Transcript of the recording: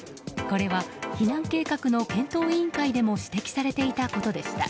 これは、避難計画の検討委員会でも指摘されていたことでした。